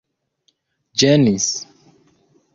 ĝenis